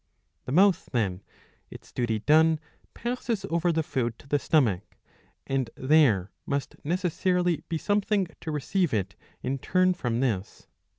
The mouth then, its duty done, passes over the food to the stomach, and there must necessarily be something to receive it in turn from this.